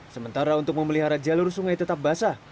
sementara untuk memelihara jalur sungai tetap basah